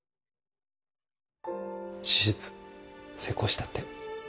手術成功したって。